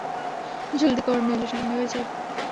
জলদি করো নইলে ঠাণ্ডা হয়ে যাবে।